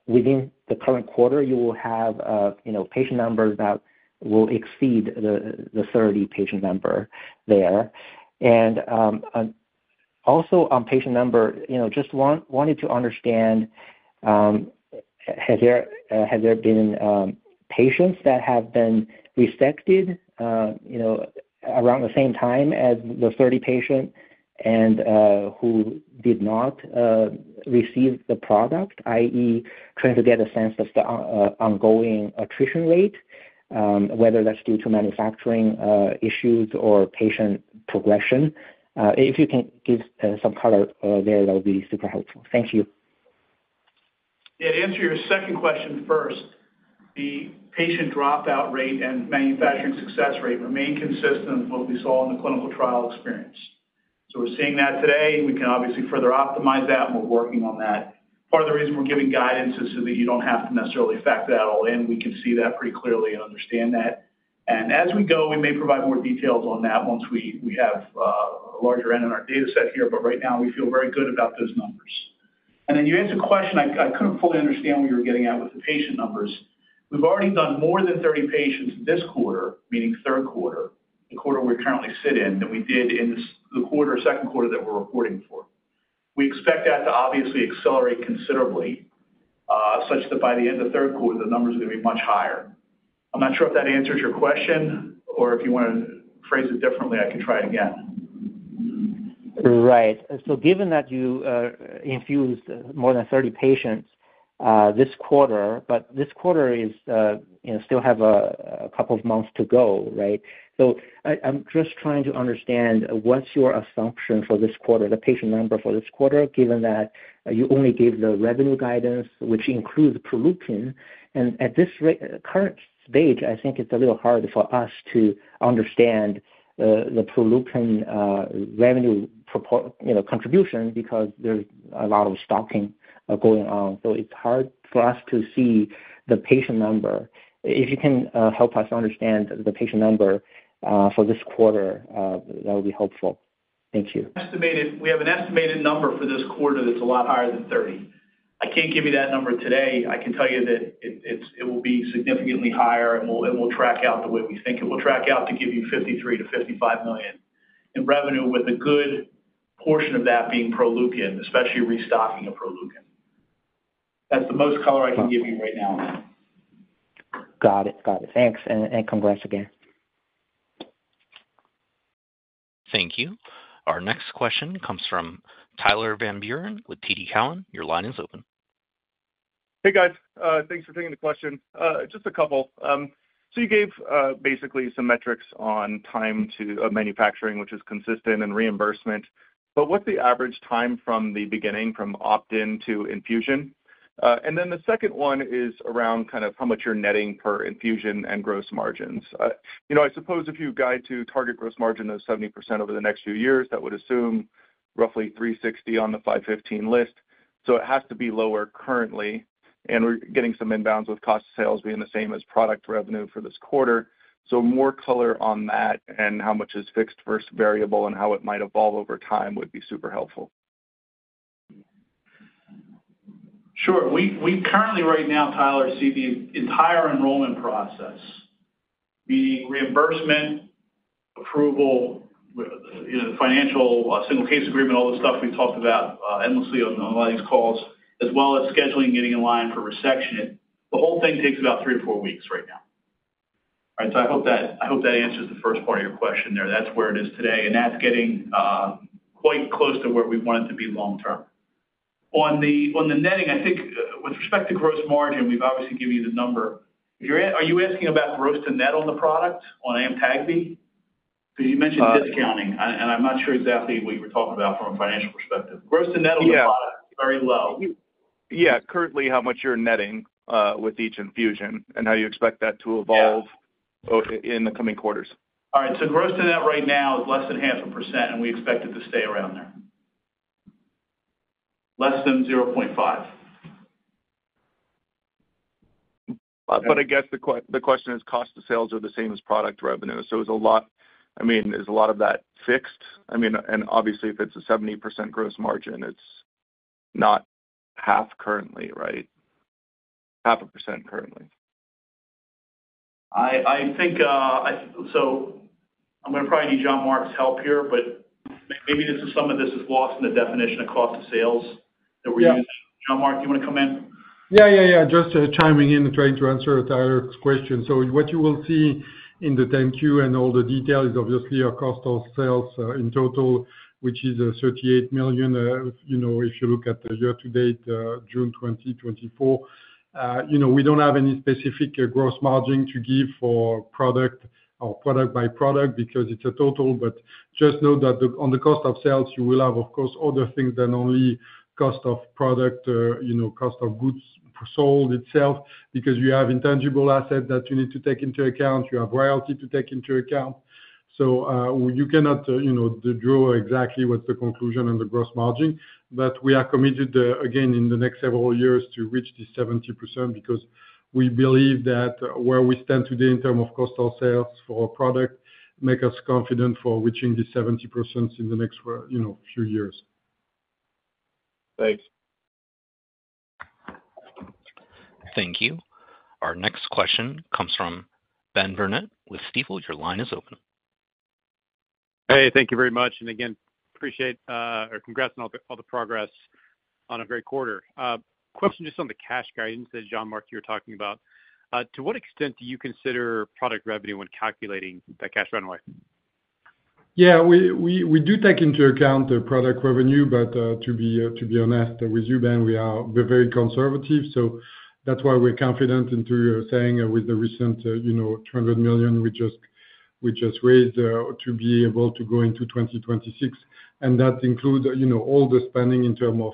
within the current quarter, you will have you know, patient numbers that will exceed the 30 patient number there? Also on patient number, you know, just wanted to understand, has there been patients that have been resected, you know, around the same time as the 30 patient and who did not receive the product, i.e., trying to get a sense of the ongoing attrition rate, whether that's due to manufacturing issues or patient progression. If you can give some color there, that would be super helpful. Thank you. Yeah, to answer your second question first, the patient dropout rate and manufacturing success rate remain consistent with what we saw in the clinical trial experience. So we're seeing that today, and we can obviously further optimize that, and we're working on that. Part of the reason we're giving guidance is so that you don't have to necessarily factor that all in. We can see that pretty clearly and understand that. And as we go, we may provide more details on that once we have a larger N in our data set here, but right now we feel very good about those numbers. And then you asked a question, I couldn't fully understand what you were getting at with the patient numbers. We've already done more than 30 patients this quarter, meaning third quarter, the quarter we currently sit in, than we did in this, the quarter, second quarter that we're reporting for. We expect that to obviously accelerate considerably, such that by the end of third quarter, the numbers are going to be much higher. I'm not sure if that answers your question, or if you want to phrase it differently, I can try again. Right. So given that you infused more than 30 patients this quarter, but this quarter is, you know, still have a couple of months to go, right? So I'm just trying to understand what's your assumption for this quarter, the patient number for this quarter, given that you only gave the revenue guidance, which includes Proleukin. And at this current stage, I think it's a little hard for us to understand the Proleukin revenue, you know, contribution because there's a lot of stocking going on. So it's hard for us to see the patient number. If you can help us understand the patient number for this quarter, that would be helpful. Thank you. We have an estimated number for this quarter that's a lot higher than 30. I can't give you that number today. I can tell you that it will be significantly higher, and we'll track out the way we think it will track out to give you $53 million-$55 million in revenue, with a good portion of that being Proleukin, especially restocking of Proleukin. That's the most color I can give you right now on that. Got it. Got it. Thanks, and, and congrats again. Thank you. Our next question comes from Tyler Van Buren with TD Cowen. Your line is open. Hey, guys. Thanks for taking the question. Just a couple. So you gave basically some metrics on time to manufacturing, which is consistent in reimbursement, but what's the average time from the beginning, from opt-in to infusion? And then the second one is around kind of how much you're netting per infusion and gross margins. You know, I suppose if you guide to target gross margin of 70% over the next few years, that would assume roughly $360 on the $515 list, so it has to be lower currently. And we're getting some inbounds with cost sales being the same as product revenue for this quarter. So more color on that and how much is fixed versus variable and how it might evolve over time would be super helpful. Sure. We currently, right now, Tyler, see the entire enrollment process, the reimbursement, approval, you know, the financial, single case agreement, all the stuff we've talked about, endlessly on, on a lot of these calls, as well as scheduling, getting in line for resection. The whole thing takes about three or four weeks right now. All right, so I hope that, I hope that answers the first part of your question there. That's where it is today, and that's getting, quite close to where we want it to be long term. On the, on the netting, I think, with respect to gross margin, we've obviously given you the number. Are you asking about gross and net on the product, on Amtagvi? Because you mentioned discounting, and, and I'm not sure exactly what you were talking about from a financial perspective. Yeah. Gross and net on the product, very low. Yeah. Currently, how much you're netting with each infusion, and how you expect that to evolve? Yeah. In the coming quarters. All right, so gross-to-net right now is less than 0.5%, and we expect it to stay around there. Less than 0.5%. But I guess the question is, cost of sales are the same as product revenue, so is a lot. I mean, is a lot of that fixed? I mean, and obviously, if it's a 70% gross margin, it's not half currently, right? 0.5% currently. I think so I'm gonna probably need Jean-Marc's help here, but maybe this is some of this is lost in the definition of cost of sales that we're using. Yeah. Jean-Marc, do you wanna come in? Yeah, yeah, yeah, just chiming in and trying to answer Tyler's question. So what you will see in the 10-Q and all the detail is obviously our cost of sales in total, which is $38 million. You know, if you look at the year to date June 2024, you know, we don't have any specific gross margin to give for product or product by product because it's a total. But just know that on the cost of sales, you will have, of course, other things than only cost of product or, you know, cost of goods sold itself, because you have intangible assets that you need to take into account. You have royalty to take into account. So you cannot, you know, draw exactly what's the conclusion on the gross margin. But we are committed, again, in the next several years to reach the 70%, because we believe that where we stand today in terms of cost of sales for our product, make us confident for reaching the 70% in the next, you know, few years. Thanks. Thank you. Our next question comes from Ben Burnett with Stifel. Your line is open. Hey, thank you very much, and again, appreciate, or congrats on all the, all the progress on a great quarter. Question just on the cash guidance that, Jean-Marc, you were talking about. To what extent do you consider product revenue when calculating that cash runway? Yeah, we do take into account the product revenue, but to be honest with you, Ben, we're very conservative, so that's why we're confident in saying with the recent, you know, $100 million we just raised to be able to go into 2026. And that includes, you know, all the spending in terms of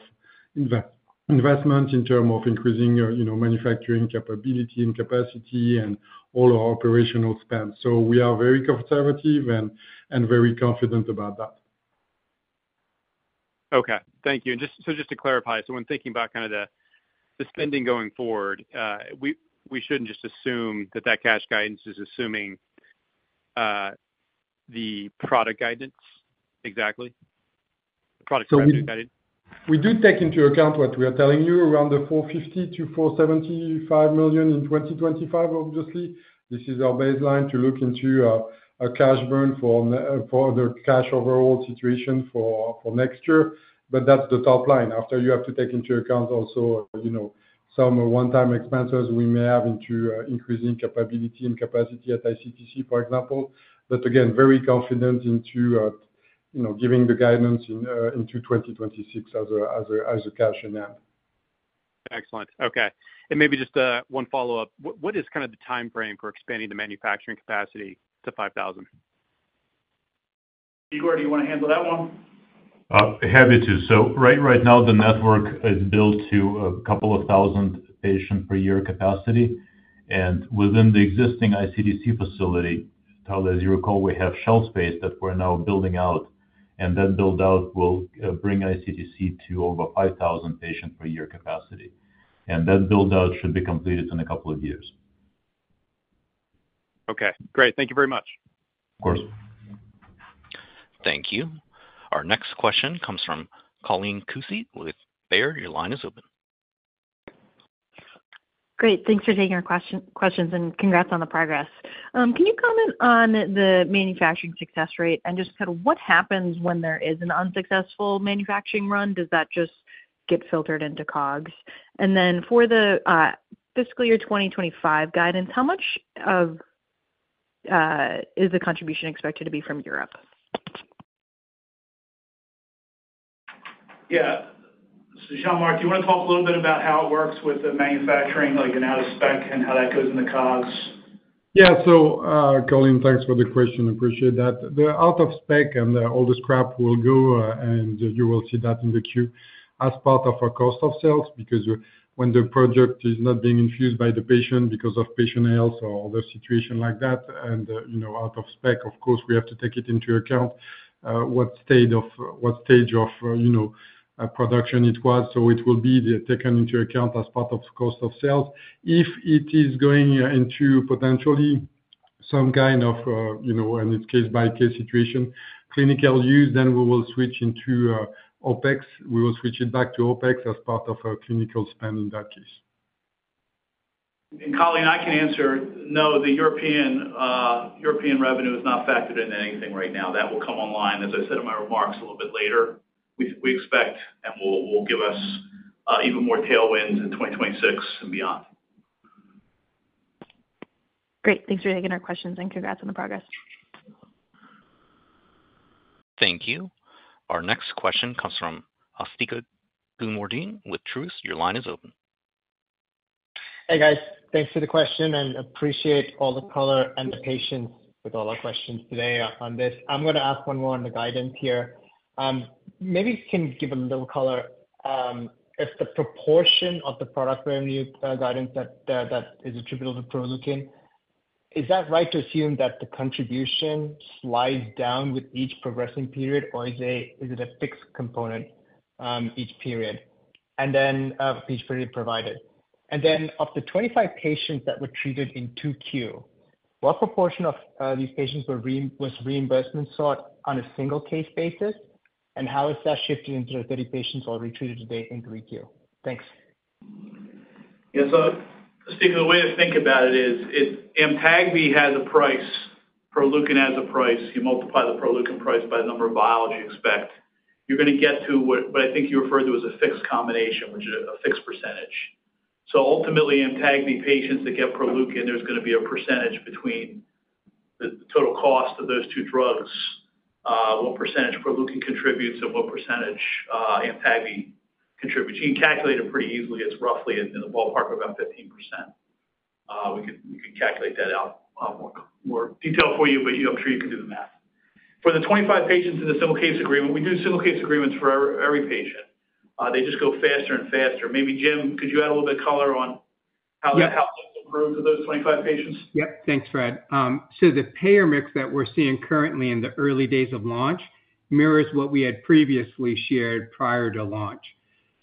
investment, in terms of increasing, you know, manufacturing capability and capacity and all our operational spend. So we are very conservative and very confident about that. Okay. Thank you. And just to clarify, so when thinking about kind of the spending going forward, we shouldn't just assume that that cash guidance is assuming the product guidance, exactly? The product guidance. We do take into account what we are telling you, around the $450 million-$475 million in 2025. Obviously, this is our baseline to look into, a cash burn for the cash overall situation for, for next year. But that's the top line. After, you have to take into account also, you know, some one-time expenses we may have into, increasing capability and capacity at iCTC, for example. But again, very confident into, you know, giving the guidance in, into 2026 as a, as a, as a cash in-hand. Excellent. Okay. And maybe just one follow-up. What is kind of the timeframe for expanding the manufacturing capacity to 5,000? Igor, do you want to handle that one? Happy to. So right, right now, the network is built to 2,000 patients per year capacity. And within the existing iCTC facility, Tyler, as you recall, we have shell space that we're now building out, and that build-out will bring iCTC to over 5,000 patients per year capacity. And that build-out should be completed in a couple of years. Okay, great. Thank you very much. Of course. Thank you. Our next question comes from Colleen Kusy with Baird. Your line is open. Great. Thanks for taking our question, questions, and congrats on the progress. Can you comment on the manufacturing success rate and just kind of what happens when there is an unsuccessful manufacturing run? Does that just get filtered into COGS? And then for the, fiscal year 2025 guidance, how much of, is the contribution expected to be from Europe? Yeah. So, Jean-Marc, do you want to talk a little bit about how it works with the manufacturing, like an out of spec and how that goes in the COGS? Yeah. So, Colleen, thanks for the question. Appreciate that. The out of spec and all the scrap will go, and you will see that in the Q as part of our cost of sales, because when the project is not being infused by the patient because of patient health or other situation like that, and, you know, out of spec, of course, we have to take it into account, what stage of production it was. So it will be taken into account as part of cost of sales. If it is going into potentially some kind of, you know, and it's case-by-case situation, clinical use, then we will switch into OpEx. We will switch it back to OpEx as part of our clinical spend in that case. Colleen, I can answer. No, the European revenue is not factored into anything right now. That will come online, as I said in my remarks, a little bit later. We expect and will give us even more tailwinds in 2026 and beyond. Great. Thanks for taking our questions, and congrats on the progress. Thank you. Our next question comes from Asthika Goonewardene with Truist. Your line is open. Hey, guys. Thanks for the question and appreciate all the color and the patience with all our questions today on this. I'm gonna ask one more on the guidance here. Maybe you can give a little color if the proportion of the product revenue guidance that that is attributable to Proleukin, is that right to assume that the contribution slides down with each progressing period, or is it a fixed component each period? And then each period provided. And then of the 25 patients that were treated in 2Q, what proportion of these patients was reimbursement sought on a single case basis? And how is that shifting into the 30 patients who are treated today in 3Q? Thanks. Yeah, so Asthika, the way to think about it is, if Amtagvi has a price, Proleukin has a price. You multiply the Proleukin price by the number of vials you expect, you're gonna get to what I think you referred to as a fixed combination, which is a fixed percentage. So ultimately, Amtagvi patients that get Proleukin, there's gonna be a percentage between the total cost of those two drugs, what percentage Proleukin contributes and what percentage, Amtagvi contributes. You can calculate it pretty easily. It's roughly in the ballpark of about 15%. We could calculate that out a lot more detail for you, but, you know, I'm sure you can do the math. For the 25 patients in the single case agreement, we do single case agreements for every patient. They just go faster and faster. Maybe, Jim, could you add a little bit color on how that. Yeah. Helped us improve those 25 patients? Yep. Thanks, Fred. So the payer mix that we're seeing currently in the early days of launch mirrors what we had previously shared prior to launch.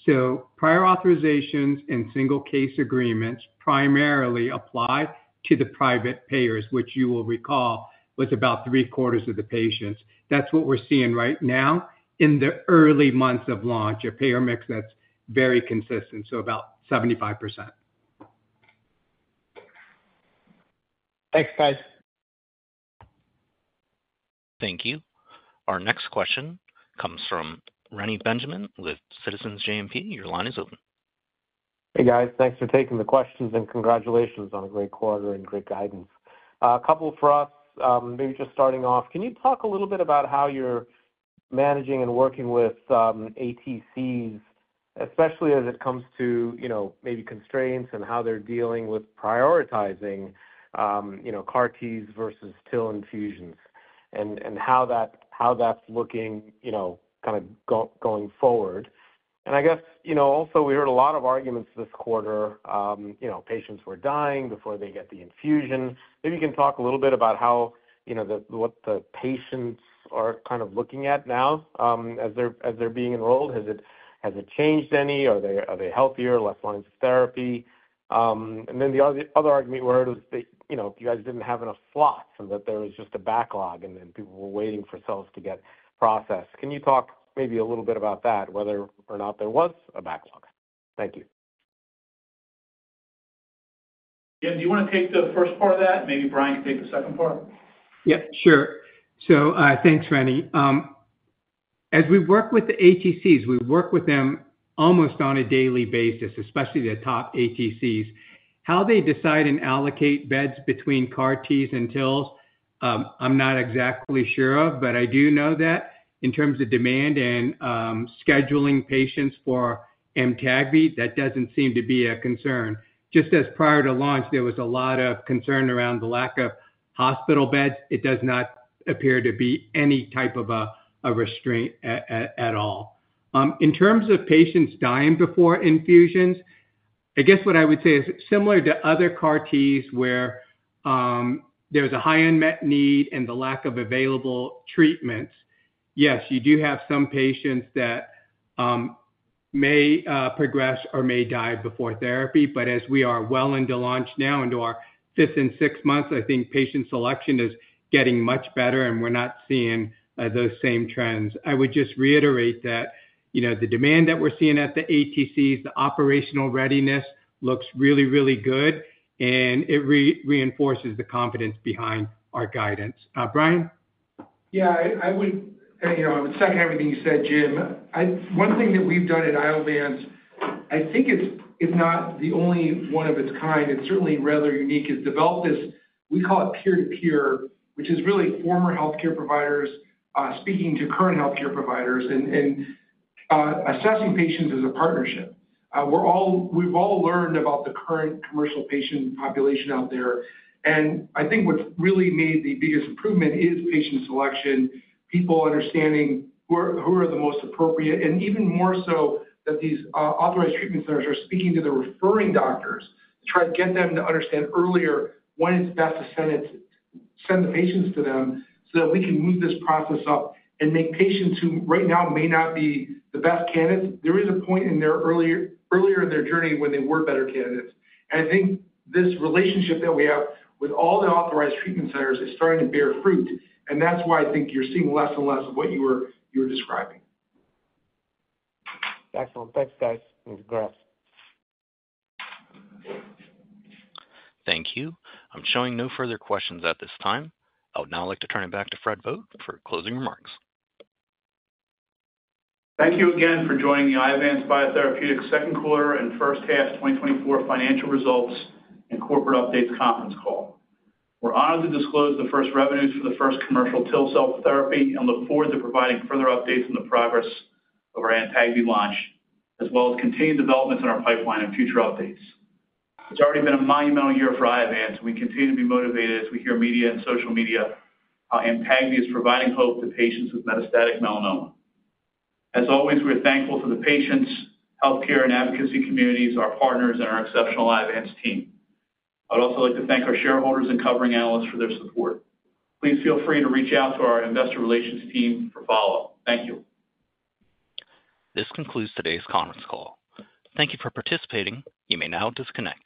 So prior authorizations and single case agreements primarily apply to the private payers, which you will recall was about three-quarters of the patients. That's what we're seeing right now in the early months of launch, a payer mix that's very consistent, so about 75%. Thanks, guys. Thank you. Our next question comes from Reni Benjamin with Citizens JMP. Your line is open. Hey, guys. Thanks for taking the questions, and congratulations on a great quarter and great guidance. A couple for us. Maybe just starting off, can you talk a little bit about how you're managing and working with ATCs, especially as it comes to, you know, maybe constraints and how they're dealing with prioritizing, you know, CAR-Ts versus TIL infusions, and how that's looking, you know, kind of going forward? And I guess, you know, also, we heard a lot of arguments this quarter, you know, patients were dying before they get the infusion. Maybe you can talk a little bit about how, you know, what the patients are kind of looking at now, as they're being enrolled. Has it changed any? Are they healthier, less lines of therapy? Then the other, the other argument we heard was that, you know, you guys didn't have enough slots and that there was just a backlog, and then people were waiting for cells to get processed. Can you talk maybe a little bit about that, whether or not there was a backlog? Thank you. Yeah. Do you wanna take the first part of that? Maybe Brian can take the second part. Yep, sure. So, thanks, Reni. As we work with the ATCs, we work with them almost on a daily basis, especially the top ATCs. How they decide and allocate beds between CAR-T and TILs, I'm not exactly sure of, but I do know that in terms of demand and scheduling patients for Amtagvi, that doesn't seem to be a concern. Just as prior to launch, there was a lot of concern around the lack of hospital beds, it does not appear to be any type of a restraint at all. In terms of patients dying before infusions, I guess what I would say is similar to other CAR-Ts, where there's a high unmet need and the lack of available treatments, yes, you do have some patients that may progress or may die before therapy. But as we are well into launch now, into our fifth and sixth months, I think patient selection is getting much better, and we're not seeing those same trends. I would just reiterate that, you know, the demand that we're seeing at the ATCs, the operational readiness looks really, really good, and it reinforces the confidence behind our guidance. Brian? Yeah, I would, you know, I would second everything you said, Jim. I. One thing that we've done at Iovance, I think it's not the only one of its kind, it's certainly rather unique, is developed this, we call it peer-to-peer, which is really former healthcare providers speaking to current healthcare providers and assessing patients as a partnership. We've all learned about the current commercial patient population out there, and I think what's really made the biggest improvement is patient selection, people understanding who are, who are the most appropriate, and even more so, that these authorized treatment centers are speaking to the referring doctors to try to get them to understand earlier when it's best to send it, send the patients to them, so that we can move this process up and make patients who right now may not be the best candidates, there is a point in their earlier in their journey when they were better candidates. And I think this relationship that we have with all the authorized treatment centers is starting to bear fruit, and that's why I think you're seeing less and less of what you were, you were describing. Excellent. Thanks, guys. Congrats. Thank you. I'm showing no further questions at this time. I would now like to turn it back to Fred Vogt for closing remarks. Thank you again for joining the Iovance Biotherapeutics second quarter and first half 2024 financial results and corporate updates conference call. We're honored to disclose the first revenues for the first commercial TIL cell therapy and look forward to providing further updates on the progress of our Amtagvi launch, as well as continued developments in our pipeline and future updates. It's already been a monumental year for Iovance, and we continue to be motivated as we hear media and social media, how Amtagvi is providing hope to patients with metastatic melanoma. As always, we're thankful to the patients, healthcare and advocacy communities, our partners, and our exceptional Iovance team. I'd also like to thank our shareholders and covering analysts for their support. Please feel free to reach out to our investor relations team for follow-up. Thank you. This concludes today's conference call. Thank you for participating. You may now disconnect.